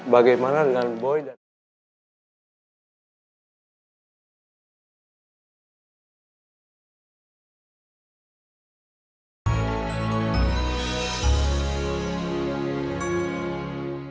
bagaimana dengan boy dan ibu